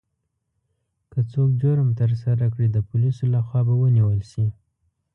که څوک جرم ترسره کړي، د پولیسو لخوا به ونیول شي.